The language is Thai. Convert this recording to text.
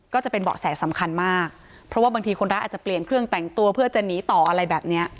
ก็จะเป็นเบาะแสสำคัญมากเพราะว่าบางทีคนร้ายอาจจะเปลี่ยนเครื่องแต่งตัวเพื่อจะหนีต่ออะไรแบบเนี้ย